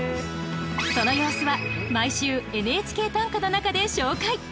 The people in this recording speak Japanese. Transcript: その様子は毎週「ＮＨＫ短歌」の中で紹介！